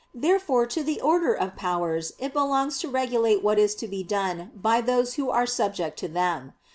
Therefore, to the order of "Powers" it belongs to regulate what is to be done by those who are subject to them.